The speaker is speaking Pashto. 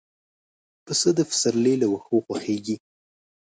پسه د پسرلي له واښو خوښيږي.